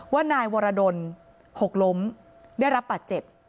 ว่านายวรดลหกล้มได้รับบาดเจ็บ